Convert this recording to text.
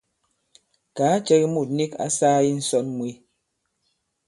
Kàa cɛ ki mût nik ǎ sāā i ǹsɔn mwe.